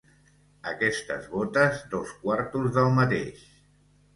aquestes botes dos quartos del mateix.